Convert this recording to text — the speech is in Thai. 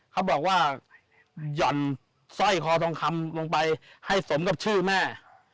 เขาบอกว่าหย่อนสร้อยคอทองคำลงไปให้สมกับชื่อแม่